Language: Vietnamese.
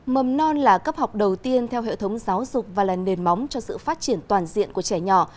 mầm non là cấp học đầu tiên theo hệ thống giáo dục và là nền móng cho sự phát triển toàn diện của trẻ nhỏ